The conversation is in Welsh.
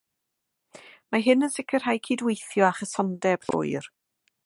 Mae hyn yn sicrhau cydweithio a chysondeb llwyr.